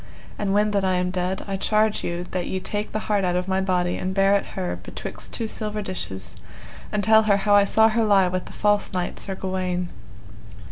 And when that I am dead I charge you that ye take the heart out of my body and bear it her betwixt two silver dishes, and tell her how I saw her lie with the false knight Sir Gawaine.